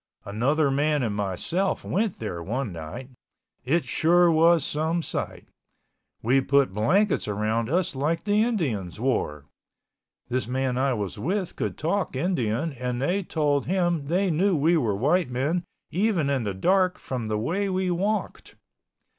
Another man and myself went there one night. It sure was some sight. We put blankets around us like the Indians wore. This man I was with could talk Indian and they told him they knew we were white men even in the dark from the way we walked.